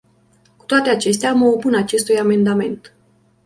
Cu toate acestea, mă opun acestui amendament.